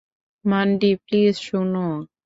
Mandy, please শোনো।